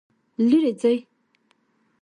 لیرې ځئ